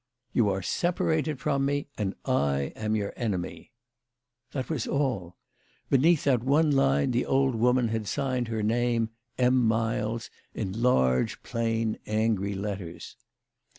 "You are separated from me, and I am your enemy." That was all. Beneath that one line the old woman had signed her name, M. Miles, in large, plain angry letters.